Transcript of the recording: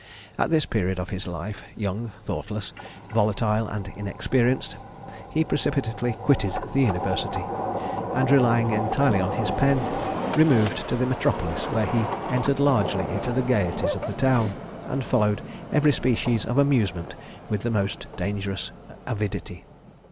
At this period of his life, young, thoughtless, volatile and inexperienced, he precipitately quitted the University, and, relying entirely on his pen, removed to the metropolis, where he entered largely into the gaieties of the town, and followed every species of amusement with the most dangerous avidity.